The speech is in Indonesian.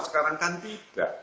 sekarang kan tidak